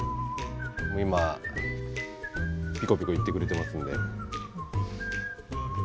今ピコピコいってくれてますので。